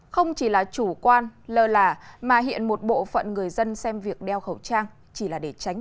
không chỉ là chủ quan lơ là mà hiện một bộ phận người dân xem việc đeo khẩu trang chỉ là để tránh